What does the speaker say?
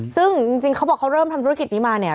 ซึ่งจริงเขาบอกเขาเริ่มทำธุรกิจนี้มาเนี่ย